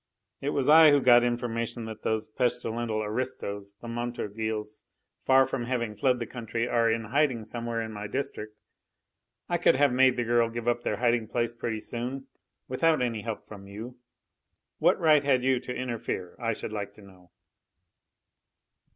It was I who got information that those pestilential aristos, the Montorgueils, far from having fled the country are in hiding somewhere in my district. I could have made the girl give up their hiding place pretty soon, without any help from you. What right had you to interfere, I should like to know?"